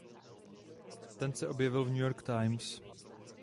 Ten se objevil v New York Times.